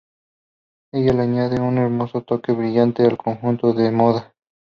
Ella le añade un hermoso toque brillante a los conjuntos de moda.